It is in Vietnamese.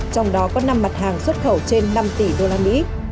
trong đó có năm mặt hàng xuất khẩu trên năm tỷ usd